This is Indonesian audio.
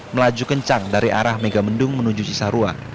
melaju kencang dari arah megamendung menuju cisarua